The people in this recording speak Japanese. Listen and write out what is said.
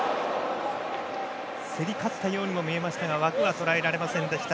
競り勝ったように見えましたが枠は捉えられませんでした。